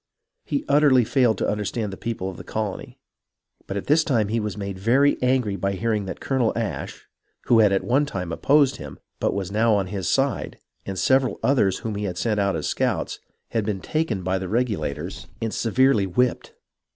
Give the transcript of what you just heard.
He utterly failed to understand the people of the colony, but at this time he was made very angry by hear ing that Colonel Ashe, who had at one time opposed him, but was now on his side, and several others whom he had sent out as scouts, had been taken by the Regulators and severely whipped.